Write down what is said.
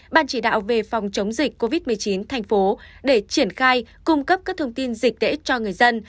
ban chỉ đạo về phòng chống dịch covid một mươi chín tp hcm để triển khai cung cấp các thông tin dịch để cho người dân